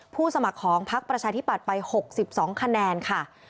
สมัครของพักประชาธิบัติไป๖๒คะแนนค่ะ